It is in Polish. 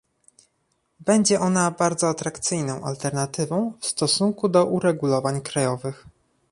Będzie ona bardzo atrakcyjną alternatywą w stosunku do uregulowań krajowych